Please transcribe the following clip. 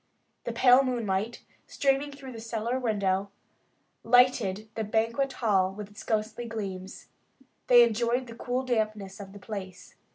The pale moonlight, streaming through the cellar window, lighted their banquet hall with its ghostly gleams. They enjoyed the cool dampness of the place.